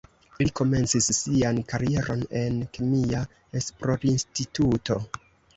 Li komencis sian karieron en kemia esplorinstituto.